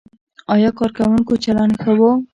ایا کارکوونکو چلند ښه و؟